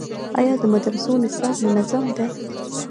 آیا د مدرسو نصاب منظم دی؟